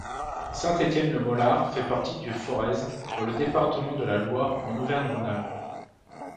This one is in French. Saint-Étienne-le-Molard fait partie du Forez dans le département de la Loire en Auvergne-Rhône-Alpes.